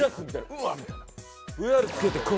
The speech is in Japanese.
うわっ！みたいな。